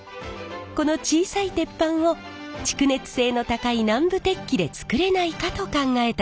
この小さい鉄板を蓄熱性の高い南部鉄器で作れないかと考えたんです。